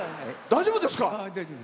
大丈夫ですか？